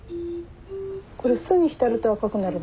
これ酢に浸ると赤くなるの？